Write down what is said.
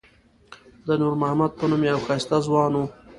د نور محمد په نوم یو ښایسته ځوان و.